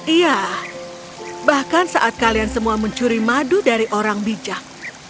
iya bahkan saat kalian semua mencuri madu dari orang bijak